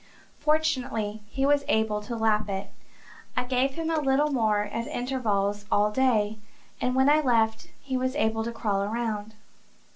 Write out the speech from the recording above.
Fortunately he was able to lap it. I gave him a little more at intervals all day, and when I left he was able to crawl around.